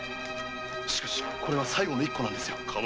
しかしこれは最後の一個なんですよ。